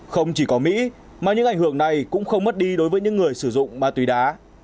không chỉ có mỹ mà những ảnh hưởng này cũng không mất đi đối với những người sử dụng ma túy đá